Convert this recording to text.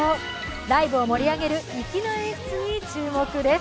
ライブを盛り上げる粋な演出に注目です。